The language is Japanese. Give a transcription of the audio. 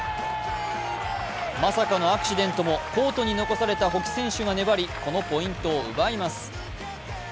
まさかのアクシデントもコートに残された保木選手が粘り、このポイントを奪います。